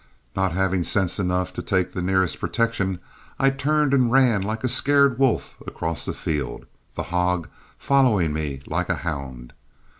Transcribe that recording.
Not having sense enough to take to the nearest protection, I turned and ran like a scared wolf across the field, the hog following me like a hound.